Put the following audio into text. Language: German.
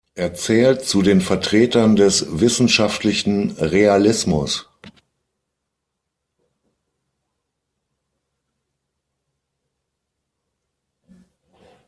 Er zählt zu den Vertretern des wissenschaftlichen Realismus.